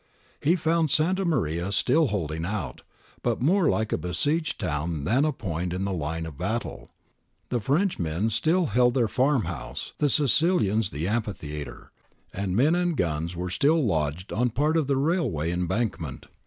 He found Santa Maria still holding out, but more like a besieged town than a point in the line of battle. The Frenchmen still held their farm house, the Sicilians the amphitheatre, and men and guns were still lodged on part of the railway embankment.